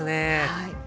はい。